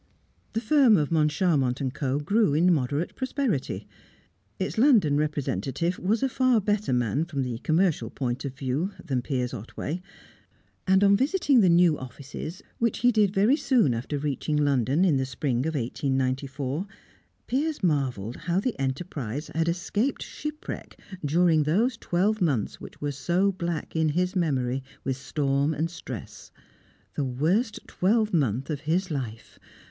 The firm of Moncharmont & Co. grew in moderate prosperity. Its London representative was a far better man, from the commercial point of view, than Piers Otway, and on visiting the new offices which he did very soon after reaching London, in the spring of 1894 Piers marvelled how the enterprise had escaped shipwreck during those twelve months which were so black in his memory with storm and stress. The worst twelve month of his life!